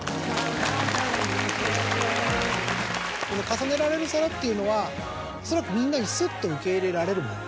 重ねられる皿っていうのはそれはみんなにスッと受け入れられるもの。